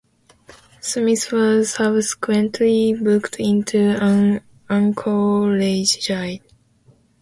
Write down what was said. Smith was subsequently booked into an Anchorage jail.